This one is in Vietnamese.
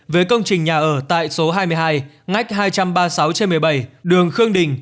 về công trình nhà ở tại số hai mươi hai ngách hai trăm ba mươi sáu trên một mươi bảy đường khương đình